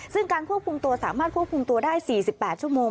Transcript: ซึ่งการควบคุมตัวสามารถควบคุมตัวได้๔๘ชั่วโมง